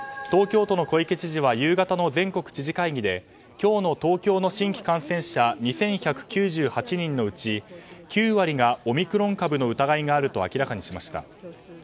東京都の小池知事は夕方の全国知事会議で今日の東京の新規感染者２１９８人のうち９割がオミクロン株の疑いがあると明らかにしました。